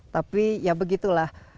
tapi ya begitulah